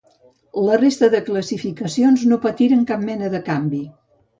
La resta de classificacions no patiren cap mena de canvi.